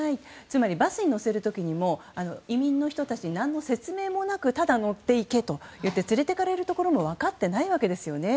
つまりバスに乗せる時にも移民の人たちに何の説明もなくただ乗って行けと言って連れていかれるところも分かっていないわけですよね。